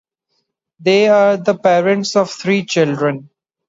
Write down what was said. They are the parents of three children.